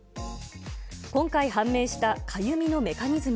今回、判明したかゆみのメカニズム。